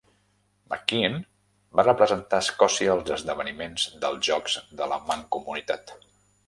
McKean va representar Escòcia als esdeveniments dels Jocs de la Mancomunitat.